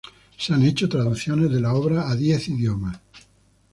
Se han hecho traducciones de la obra a diez idiomas.